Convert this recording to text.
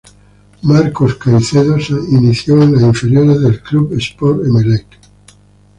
Marcos Caicedo se inició en las inferiores del Club Sport Emelec.